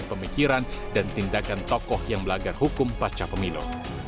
pemikiran dan tindakan tokoh yang melanggar hukum pasca pemilu